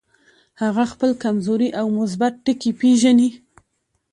هغه خپل کمزوري او مثبت ټکي پېژني.